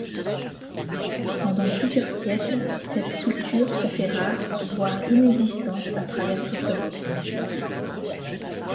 Pendant plusieurs siècles, cette culture se fait rare voire inexistante à travers toute l'Europe.